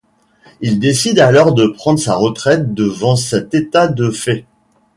Il décide alors de prendre sa retraite devant cet état de fait.